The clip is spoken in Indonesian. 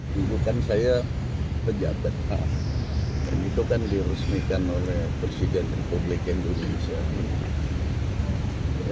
tidurkan saya pejabat dan itu kan diresmikan oleh presiden republik indonesia